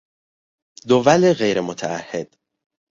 دول غیر متعهد